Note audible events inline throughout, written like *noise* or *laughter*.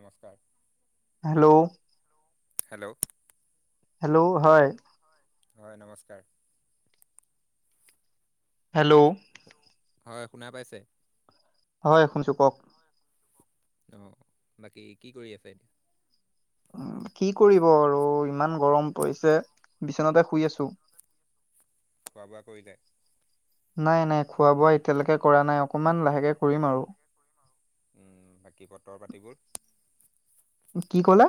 নমস্কাৰ hello. Hello. Hello, হয়। হয় নমস্কাৰ। হেল্ল'। হয় শুনা পাইছে। হয় শুনিছোঁ কওক। অহ বাকী কি কৰি আছে? উ কি কৰিব আৰু ইমান গৰম পৰিছে বিচনাতে শুই আছো। খোৱা বোৱা কৰিলে? নাই নাই খোৱা বোৱা এতিয়ালৈকে কৰা নাই, অকমান লাহেকে কৰিম আৰু। উম বাকী বতৰ পাতিবোৰ? কি কলা?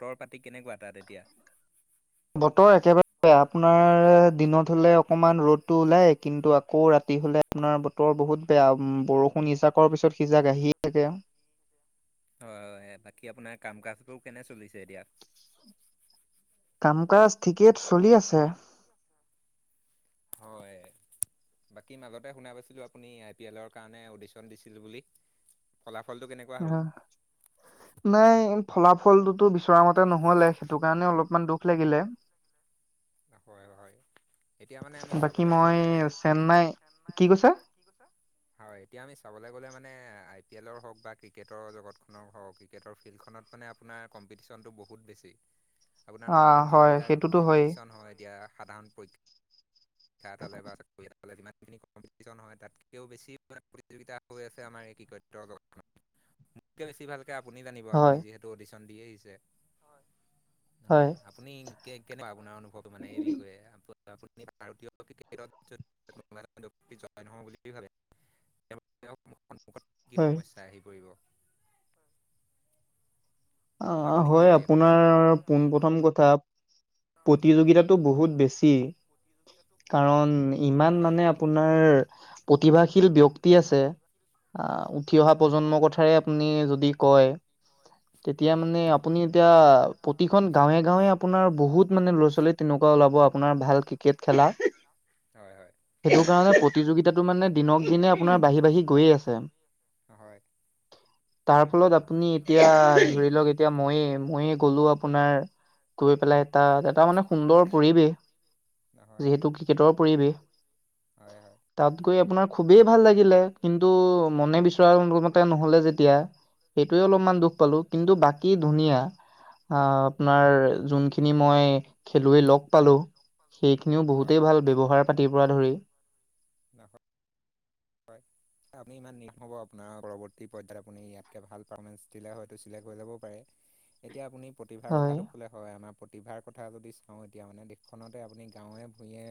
তৰ পাতি কেনেকোৱা তাত এতিয়া? বতৰ একেবাৰে বেয়া আপোনাৰ দিনত হ'লে অকণমান ৰ'দ টো ওলাই কিন্তু আকৌ ৰাতি হ'লে আপোনাৰ বতৰ বহুত বেয়া বৰষুণ ইজাকৰ পিছত সিজাক আহি হি থাকে। হয় হয়, বাকী আপোনাৰ কাম কাজবোৰ কেনে চলিছে এতিয়া? কাম কাজ ঠিকে চলি আছে। হয় বাকী মাজতে শুনা পাইছিলোঁ আপুনি আই পি এলৰ কাৰণে অডিশ্যন দিছিল বুলি ফলাফলটো কেনেকুৱা হ'ল অ' নাই ফলা ফলটোতো বিচৰা মতে নহলে সেইটো কাৰণে অলপমান দুখ লাগিলে। হয় হয়, এতিয়া মানে আমি বাকী চাবলৈ গলে মই চেন্নাই কি কৈছা? কি কৈছা হয় এতিয়া আমি চাবলৈ গলে মানে আই *inaudible* পি এলৰ হওক বা ক্ৰিকেটৰ জগতখনৰ হওক, ক্ৰিকেটৰ ফিল্ডখনত মানে আপোনাৰ কম্পিটিচ্যনটো বহুত বেছি। আপোনাৰ অ' নৰ্মেল হয় যোনবিলাক সেইটোতো হয়েই। কম্পিটিশ্যন হয় এতিয়া সাধাৰণ পৰীক্ষা এটালে বা চাকৰি এটা যিমানখিনি কম্পিটিশ্যন হয় তাতকৈও বেছি প্ৰতিযোগিতা হৈ আছে আমাৰ এই ক্ৰিকট জগতত। মোতকে বেছি ভাল। আপুনি জানিব। হয় আপুনি যিহেতু অডিছন দি আহিছে। হয়, আপুনি কেনেকুৱা আপোনাৰ অনুভৱ মানে এই বিষয়ে? আপু পু ভাৰতীয় জ নহয় বুলি ভাবে। *unintelligible* সন্মুখত কি হয় সমস্যা আহি পৰিব। অ আপুনি কি হয় ভাবে এই সন্দৰ্ভত? আপোনাৰ পোন প্ৰথম কথা প্ৰতিযোগিতাটো বহুত বেছি। কাৰণ ইমান হয় মানে আপোনাৰ। প্ৰতিভাশীল ব্যক্তি আছে। আ উঠি অহা হয় প্ৰজন্মৰ কথাই আপুনি যদি কয় তেতিয়া হয় মানে আপুনি এতিয়া প্ৰতিখন গাঁৱে গাঁৱে আপোনাৰ বহুত মানে ল'ৰা ছোৱালী তেনেকুৱা ওলাব, আপোনাৰ ভাল ক্ৰিকেট খেল নাই। হয় সেইটো কাৰণে প্ৰতিযোগিতাটো মানে দিনক দিনে আপোনাৰ বাঢ়ি বাঢ়ি গৈ আছে। হয় তাৰ ফলত আপুনি এতিয়া ধৰি লওক। এতিয়া মইয়ে ময়ে গ'লো আপোনাৰ গৈ পেলাই এটা এটা মানে সুন্দৰ হয় পৰিৱেশ। যিহেতু ক্ৰিকেটৰ পৰিৱেশ। হয় হয় তাত গৈ আপোনাৰ খুবেই ভাল লাগিলে কিন্তু মনে বিচৰামতে নহলে যেতিয়া সেইটোৱে অলপমান দুখ পালো। কিন্তু বাকী ধুনীয়া। আ আপোনাৰ যোনখিনি মই খেলুৱৈ লগ পালো সেইখিনিও হয়। বহুতেই ভাল ব্যৱহাৰ পাতিৰ পৰা ধৰি। হয়। আপুনি ইমান নিৰ্হব আপোনাৰ পৰৱৰ্তী পৰ্যায়ত আপুনি ইয়াতকে ভাল পাৰেঞ্চ দিলে হয়তো চিলেক্ট হৈ যাব পাৰে। এতিয়া আপুনি প্ৰতিভাৰ হয় কথাটো ক'লে হয়। আমাৰ প্ৰতিভাৰ কথা যদি চাওঁ, এতিয়া মানে দেশখনতে আপুনি গাঁৱে ভূঞে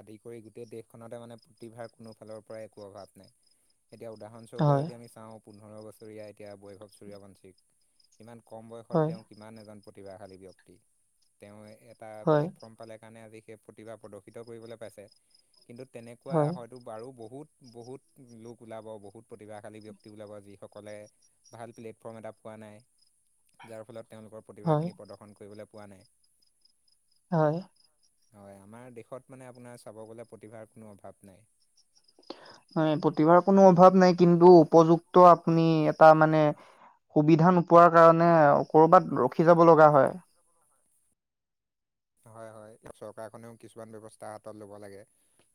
আদি কৰি গোটেই দেশখনতে মানে প্ৰতিভাৰ কোনো ফালৰ পৰাই একো অভাৱ নাই এতিয়া উদাহৰ স্বৰূপে হয় যদি আমি চাওঁ। পোন্ধৰ বছৰীয়া এতিয়া বৈভৱ চুৰীয়াবঞ্চিক ইমান কম বয়সত হয় তেওঁ কিমান এজন প্ৰতিভাশালী ব্যক্তি, তেওঁ এটা হয় প্লেটফৰ্ম পালে কাৰণে আজি প্ৰতিভা প্ৰদৰ্শিত কৰিবলৈ পাইছে কিন্তু তেনেকুৱা হয় হয়তো বাৰু বহুত বহুত লোক ওলাব। বহুত প্ৰতিভাশালী ব্যক্তি ওলাব, যি সকলে ভাল প্লেটফৰ্ম এটা মানে যাৰ ফলত তেওঁলোকৰ হয় প্ৰতিভাখিনি প্ৰদৰ্শন কৰিবলৈ পোৱা নাই। হয়। হয় আমাৰ দেশত মানে আপোনাৰ চাব গলে প্ৰতিভাৰ কোনো অভাৱ। নাই হয়, প্ৰতিভাৰ কোনো অভাৱ নাই। কিন্তু উপযুক্ত আপুনি এটা মানে সুবিধা নোপোৱাৰ কাৰণে কৰ'বাত ৰখি যাব লগা হয়। হয়, হয়। চৰকাৰখনেও কিছুমান ব্যৱস্থা হাতত ল'ব লাগে।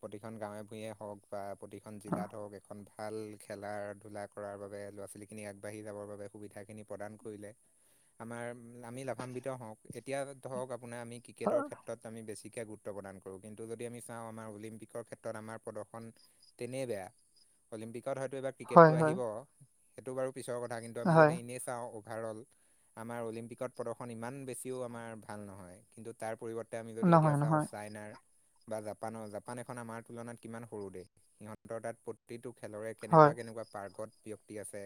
প্ৰতিখন গাঁৱে ভূঞে হওক বা প্ৰতিখন জিলাত হওক এখন ভাল খেলা ধূলা কৰাৰ বাবে ল'ৰা ছোৱালীখিনি আগবাঢ়ি যাবৰ বাবে সুবিধাখিনি প্ৰদান কৰিলে আমাৰ আমি লাভান্বিত হওঁক এতিয়া ধৰক আপোনাৰ আমি ক্ৰিকেটৰ ক্ষেত্ৰত আমি বেছি কে গুৰুত্ব প্ৰদান কৰো। কিন্তু যদি আমি চাওঁ আমাৰ অলিম্পিকৰ ক্ষেত্ৰত আমাৰ প্ৰদৰ্শন তেনেই বেয়া। অলিম্পিকত হয়তো এইবাৰ ক্ৰিকেটটো হয় হয় আহিব সেইটো বাৰু পিছৰ কথা কিন্তু আমি হয় যদি এনেই চাওঁ ভাৰ হ'ল আমাৰ অলিম্পিকত প্ৰদৰ্শন ইমান বেছিও আমাৰ ভাল নহয়। কিন্তু তাৰ পৰিৱৰ্ত য়া আমি যদি এতিয়া নহয় চাওঁ নহয় চাইনাৰ বা জাপানৰ, জাপান এখন আমাৰ তুলনাত কিমান সৰু দেশ। সিহঁতৰ তাত প্ৰতিটো খেলৰে হয় কেনেকুৱা কেনেকুৱা পাৰ্গত ব্যক্তি আছে।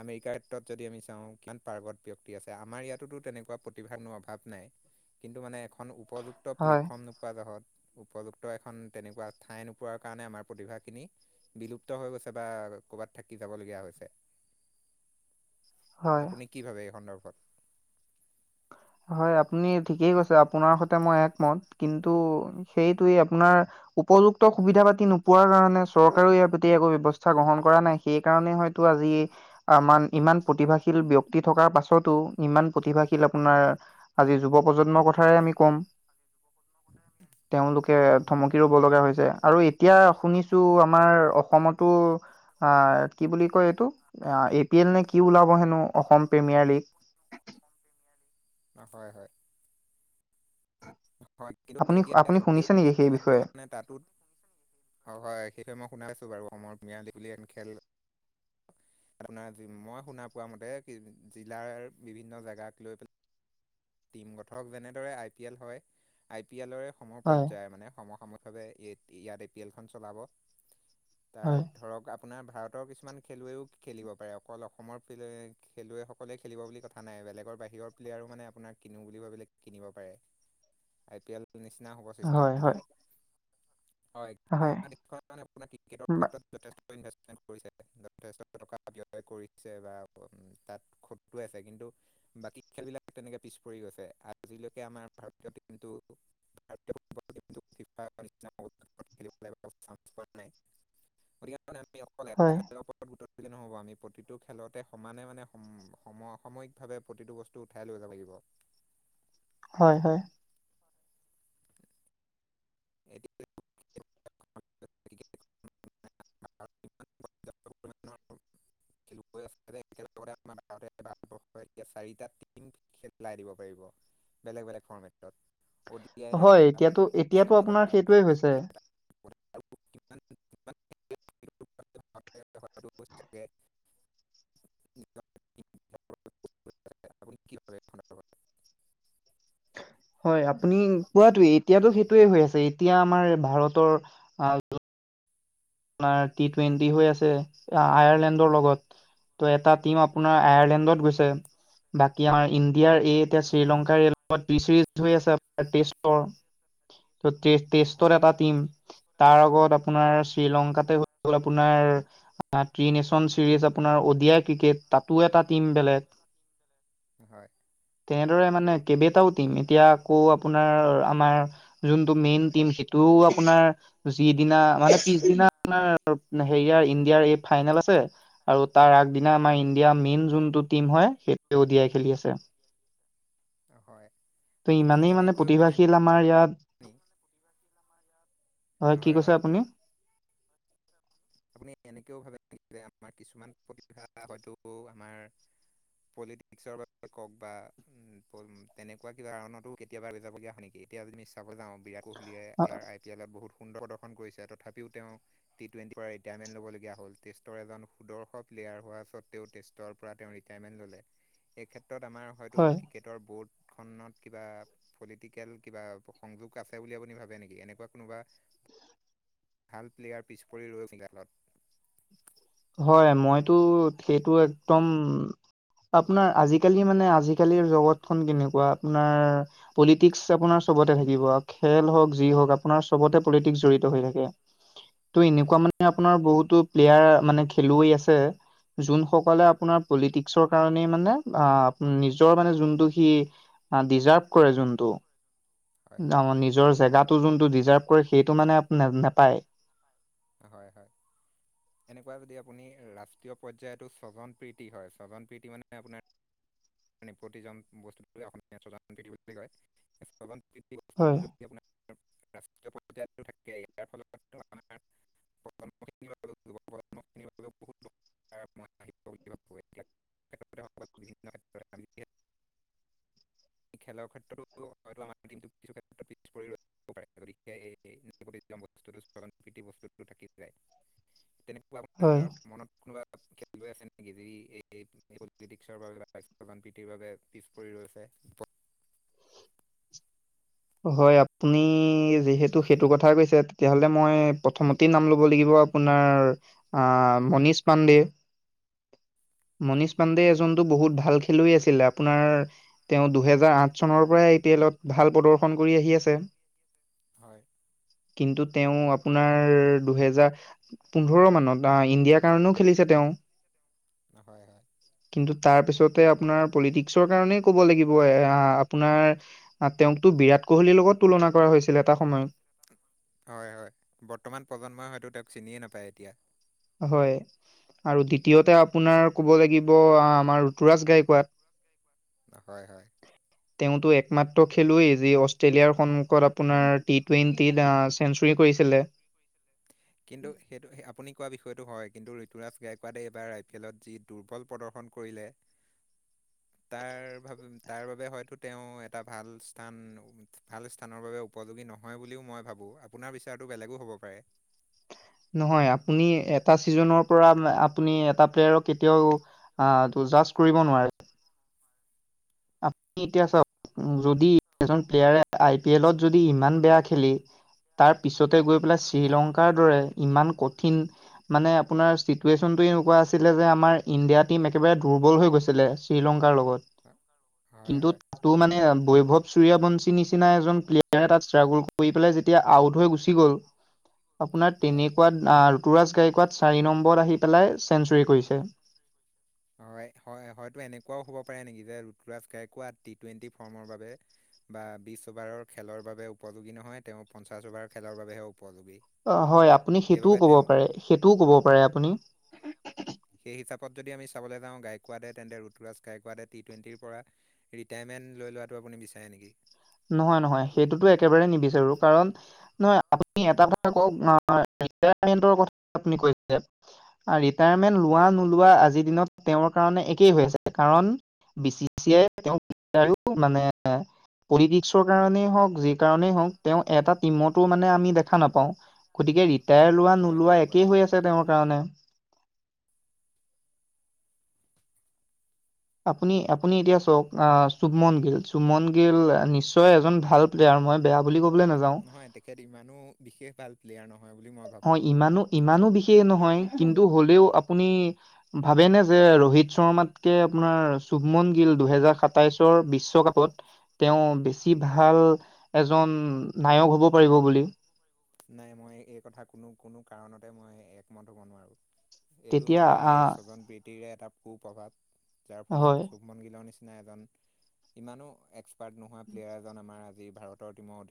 আমেৰিকাৰ ক্ষেত্ৰত যদি আমি চাওঁ কিমান পাৰ্গত ব্যক্তি আছে আমাৰ ইয়াতোতো তেনেকুৱা প্ৰতিভানো অভাৱ নাই। কিন্তু মানে এখন উপযুক্ত হয় প্লেটফৰ্ম নোপোৱা জহত উপযুক্ত এখন তেনেকুৱা ঠাই নোপোৱাৰ কাৰণে আমাৰ প্ৰতিভা খিনি বিলুপ্ত হৈ গৈছে বা ক'ৰবাত থাকি যাবলগীয়া হৈছে। *inaudible* হয় আপুনি কি ভাবে এই সন্দৰ্ভত হয় আপুনি ঠিকেই কৈছে আপোনাৰ সতে মই একমত কিন্তু সেইটোৱে আপোনাৰ উপযুক্ত সুবিধা পাতি নোপোৱাৰ কাৰণে চৰকাৰেও ইয়াৰ পতি একো ব্যৱস্থা গ্ৰহণ কৰা নাই। সেইকাৰণে হয়তো আজি আমান ইমান প্ৰতিভাশীল ব্যক্তি থকাৰ পাছতো ইমান প্ৰতিভাশীল আপোনাৰ আজি যুৱ প্ৰজন্মৰ কথাই আমি ক'ম। তেওঁলোকে থমকি ৰ'ব লগা হৈছে। আৰু এতিয়া শুনিছো আমাৰ অসমতো। আ কি বুলি কয় অ এইটো এ পি এল নে কি ওলাব হেনো অসম প্ৰিমিয়াৰলী *unintelligible* হয়, হয়। *unintelligible* হয় আপুনি আপুনি শুনিছে নেকি সেই বিষয়ে? হয় সেইটোৱে মই শুনাই নাছিলো বাৰু অসমৰ ম্যাদী বুলি এনে খেল। আপোনাৰ মই শুনা পোৱা মতে কি জিলাৰ বিভিন্ন জেগাক লৈ পেলাই। টিম গঠক, যেনেদৰে আই পি এল হয়। আই পি এলৰে হয় সমপৰ্যায় মানে সমসাম ভ ইয়াত এ পি এলে খেলখন চলাব তাৰ হয়। ধৰক। আপোনাৰ ভাৰতৰ কিছুমান খেলুৱৈও খেলিব পাৰে অকল অসমৰ খেলুৱৈসকলে খেলিব বুলি কথা নাই। বেলেগৰ বাহিৰৰ প্লেয়াৰ মানে আপোনাৰ। কিনো বুলি ভাবিলে কিনিব পাৰে। আই পি এলৰ নিচিনা হ'ব হয় চিষ্টেমটো। হয় হয়, আমাৰ দেশ মানে আপোনাৰ ক্ৰিকেটৰ ক্ষেত্ৰত যথেষ্ট *unintelligible* কৰিছে বা তাত খটোৱাইছে। কিন্তু বাকী খেলবিলাক তেনেকে পিছ পৰি গৈছে আজিলৈকে আমাৰ ভাৰতীয় টিমটো ভ *unintelligible* *unintelligible* হয় নহব আমি প্ৰতিটো খেলতে সমানে মানে সমসাময়িকভাৱে প্ৰতিটো বস্তু উঠাই লৈ যাব লাগিব। হয়, হয়। *unintelligible* *unintelligible* এতিয়া চাৰিটা টম খেলাই দিব পাৰিব বেলেগ বেলেগ ফৰ্মেতত। হয় এতিয়াতো এতিয়াতো আপোনাৰ এটা টি সেইটোৱেই হৈছে। টুৱেন্টিত *unintelligible* *unintelligible* *unintelligible* *unintelligible* হয় আপুনি কোৱাতোৱে এতিয়াতো সেইটোৱে হৈ আছে এতিয়া আমাৰ ভাৰতৰ আ আপোনাৰ টি টুৱেণ্টি হৈ আছে আয়াৰলেণ্ডৰ লগত। ত' এটা টিম আপোনাৰ আয়াৰলেণ্ডত গৈছে, বাকী আমাৰ ইণ্ডিয়াৰ এই এতিয়া হয়। শ্ৰীলংকাৰ তি চিজ হৈ আছে আৰ টিষ্টৰ। ত হয়, টেষ্টত এটা টিম তাৰ আগত আপোনাৰ শ্ৰীলংকাতে হৈ গ'ল আপোনাৰ। ত্ৰি নেচন চিৰিজ আপোনাৰ অডিয়াৰ ক্ৰিকেট তাতো এটা টিম বেলেগ। হয়, তেনেদৰে মানে কেবেটাও টিম। এতিয়া আকৌ আপোনাৰ আমাৰ যোনটো মেইন টিম সেইটোও আপোনাৰ যিদিনা মানে পি হেৰি ইণ্ডিয়াৰ এই ফাইনেল আছে আৰু তাৰ আগদিনা হয়। আমাৰ ইণ্ডিয়াৰ মেইন। যোনটো টীম হয় সেইটো দিয়াই খেলি আছে। হয়, ত' আপুনি ইমানেই এনে মানে প্ৰতিভাশীল আমাৰ ইয়াত, হয় কি কৈছে আপুনি? আপুনি এনেকেও ভাবে যে আমাৰ কিছুমান প্ৰতিভা হয়তো আমাৰ পলিটিক্সৰ বাবে কওক বা তেনেকুৱা কিবা কাৰণতো কেতিয়াবা বেজাবগীয়া হয় নেকি? এতিয়া আপুনি চাব যাওঁ বিৰাট কোহলিয়ীয়ে ইয়াৰ আই পি এলত বহুত সুন্দৰ প্ৰদৰ্শন কৰিছে তথাপিও তেওঁ টি টুৱেণ্টি- কেভেন লব লগা হল, টেষ্ট এজন সুদক্ষ ক্লেয়াৰ হোৱা সত্ত্বেও টেষ্ট পৰা তেওঁ ৰীতাই মেন ললে। এই ক্ষেত্ৰত আমাৰ হয়তো হয় ক্ৰিকেটৰ বহুত খনত কিবা পলিটিকেল কিবা সংযোগ আছে বুলি আপুনি ভাবে নেকি এনেকুৱা কোনোবা উ ভাল প্লেয়াৰ পিছ পৰি ৰৈ *unintelligible* হয় মইতো সেইটো একদম আপোনাৰ আজি কালি মানে আজি কালিৰ জগতখন কেনেকুৱা আপোনাৰ পলিটিক্স আপোনাৰ চবতে থাকিব খেল হওক যি হওঁক আপোনাৰ চবতে পলিটিক্স জৰিড় হৈ থাকে। ত' এনেকুৱা হয় মানে আপোনাৰ বহুতো প্লেয়াৰ মানে খেলুৱৈ আছে। যোন সকলে আপোনাৰ পলিটিক্সৰ কাৰণেই মানে আহ নিজৰ মানে যোনটো সি ডিজাৰ্ভ কৰে যোনটো। হয় নিজৰ জেগাটো যোনটো ডিজাৰ্ভ কৰে সেইটো মানে নেপায়। হয় হয় এনেকুৱা যদি আপুনি ৰাষ্ট্ৰীয় পৰ্যায়তো স্বজনপ্ৰীতি হয় স্বজন প্ৰীতি মানে আপোনাৰ প্ৰতিজন বস্তু কয় *unintelligible* বস্তু হয় যদি আপোনাৰ ৰাষ্ট্ৰীয় পৰ্যায়তো থাকে ইয়াৰ ফলত আমাৰ *unintelligible* *unintelligible* এই খেলাৰ ক্ষেত্ৰতো হয় তো আমাৰটো কিছু ক্ষেত্ৰত পিছ পৰি ৰল *unintelligible* মানে হয়। মনত কোনোবা। *inaudible* ৰৈ আছে নেকি যদি এই পলিটিক্স বাবে বা ৰ বানপীতিৰ বাবে পিছ পৰি ৰৈছে। হয় আপুনি যিহেতু সেইটো কথা কৈছে তেতিয়াহ'লে মই প্ৰথমতেই নাম ল'ব লাগিব। আপোৰ আ মনিচ পাণ্ডে মনীষ পাণ্ডে এজনতো বহুত ভাল খেলুৱৈ আছিলে আপোনাৰ তেওঁ দুহেজাৰ আঠ চনৰ পৰাই এতিয়া এলত ভাল প্ৰদৰ্শন কৰি আহি আছে। হয় কিন্তু তেওঁ আপোনাৰ দুহেজাৰ পোন্ধৰ মানত আহ ইণ্ডিয়াৰ কাৰণেও খেলিছে তেওঁ। *inaudible* হয় হয়। কিন্তু তাৰ পিছতে আপোনাৰ পলিটিক্সৰ কাৰণে ক'ব লাগিব এ আপোনাৰ তেওঁক টো বিৰাট কোহলিৰ লগত তুলনা কৰা হৈছিল এটা সময়ত। হয় হয় বৰ্তমান প্ৰজন্মই হয়তো তেওঁক চিনিয়ে নাপায় এতিয়া। হয় আৰু দ্বিতীয়তে আপোনাৰ ক'ব লাগিব আমাৰ ঋতুৰাজ গাইকোৱাত। হয় হয় তেওঁতো একমাত্ৰ খেলুৱৈই যি অষ্ট্ৰেলিয়াৰ সন্মুখত আপোনাৰ টি টুৱেণ্টিত চেঞ্চুুৰী কৰিছ- ছিলে। কিন্তু সেইটো আপুনি কোৱা বিষয়ে টো হয় কিন্তু ঋতুৰাজ গায়কোৱাডে এইবাৰ আই পি এলত যি দুৰ্বল প্ৰদৰ্শন কৰিলে *inaudible* তাৰ ভ তাৰ বাবে হয়তো তেওঁ এটা ভাল স্থান ভাল স্থানৰ বাবে উপযোগী। নহয় বুলিও মই ভাবো আপোনাৰ বিচাৰটো বেলেগো হ'ব পাৰে। নহয় আপুনি এটা চিজনৰ পৰা আপুনি এটা প্লেয়াৰক কেতিয়াও আহ জাৰ্চ কৰিব নোৱাৰে। আপোনি এতিয়া চাওক যদি এজন প্লেয়াৰে আই পি এলত যদি ইমান বেয়া খেলি তাৰ পিছত গৈ পেলাই হয়। শ্ৰীলংকাৰ দৰে ইমান কঠিন মানে আপোনাৰ ছিটুৱেশনটো এনেকুৱা আছিল ছিলে যে, আমাৰ ইণ্ডিয়া টিম একেবাৰে দুৰ্বল হৈ গৈছিলে শ্ৰীলংকাৰ লগত। হয় হয় কিন্তু হয়। তাতো মানে বৈভৱ সূৰ্য়াবংশীৰ নিচিনা এজন প্লেয়াৰে তাত ষ্ট্ৰাগল কৰি পেলাই যেতিয়া আউট হৈ গুচি গ'ল আপোনাৰ তেনেকুৱা অ'- ঋতুৰাজ গাই চাৰি নম্বৰত আহি পেলাই চেন্সুৰী কৰিছে। হয় -হয় হয়তো এনেকুৱাও হ'ব পাৰে নেকি যে ঋতুৰাজ গাইকুৱা টি -টুৱেণ্টি ফৰ্মৰ বাবে বা বিছ অভাৰৰ খেলৰ বাবে উপযোগী নহয় তেওঁ। পঞ্চাশ অভাৰ খেলৰ বাবেহে উপযোগী। অ' হয়। আপুনি সেইটোও সেইবাবে কব তেওঁ পাৰে, সেইটোও কব পাৰে আপুনি। সেই হিচাপত যদি আমি চাবলৈ যাওঁ গাইকোৱাদে তেন্তে, ঋতুৰাজ গাইকোৱাদে টি টুৱেণ্টিৰ পৰা ৰিটায়াৰমেণ্ট লৈ লোৱাটো আপুনি বিচাৰে নেকি? নহয়- নহয় সেইটোতো একেবাৰে নিবিচাৰো কাৰণ নহয় আপুনি এটা কথা কওঁক ৰিটাইৰমেণ্টৰ কথা আপুনি কৈছে। ৰিটাইৰমেন্ট লোৱা-নোলোৱা আজিৰ দিনত তেওঁৰ কা মানে একেই হৈ আছে। কাৰণ বি চি চি য়ে তেওঁক *inaudible* আৰু মানে পলিটিক্সৰ কাৰণেই হওঁক যি কাৰণেই হওঁক তেওঁ এটা টিমতো মানে আমি দেখা নাপাওঁ গতিকে টাইৰ হয় লোৱা-নোলোৱা সেইটো বাৰু একেই হয়। হৈ আছে, তেওঁৰ কাৰণে। আপুনি - আপুনি এতিয়া চাওঁক। অ'- শুভমন গিল। শুভমন গিল নিশ্চয় এজন ভাল প্লেয়াৰ। মই বেয়া বুলি ক'বলৈ নাযাওঁ নহয় তেখেত ইমানো বিশেষ ভাল প্লেয়াৰ নহয়। বুলি মই ভাবোঁ হয়, ইমানো- ইমানো বিশেষ নহয়, কিন্তু হ'লেও আপুনি ভাবেনে যে ৰোহিত শৰ্মাতকে আপোনাৰ চুভমন গিল দুহেজাৰ সাতাইশৰ বিশ্বকাপত তেওঁ বেছি ভাল এজন উম, নায়ক হ'ব পাৰিব বুলি নাই, মই এই কথা কোনো - কোনো কাৰণতে মই একমত হ'ব নোৱাৰোঁ। এইটো তেতিয়া হয়। এই আহ স্বজন প্ৰীতিৰে এটা কু-প্ৰভাৱ। যাৰ ফলত হয় শুভমন গিলৰ নিচি না এজন ইমানো এক্সপাৰ্ট নোহোৱা প্লেয়াৰ এজন আমাৰ আজি ভাৰতৰ টিমত